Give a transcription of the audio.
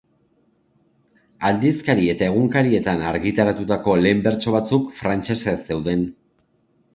Aldizkari eta egunkarietan argitaratutako lehen bertso batzuk frantsesez zeuden.